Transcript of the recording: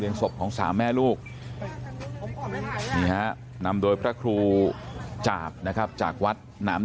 เรียงศพของสามแม่ลูกนำโดยพระครูจาบนะครับจากวัดน้ำ